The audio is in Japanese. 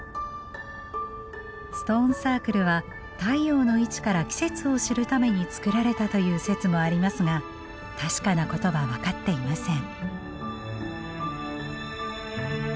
ストーンサークルは太陽の位置から季節を知るために作られたという説もありますが確かなことは分かっていません。